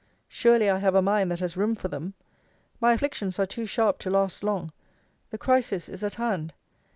Surely I have a mind that has room for them. My afflictions are too sharp to last long. The crisis is at hand.